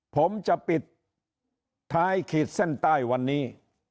ผมจะปิดท้ายขีดเส้นใต้วันนี้